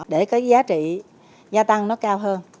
để cái giá trị gia tăng nó cao hơn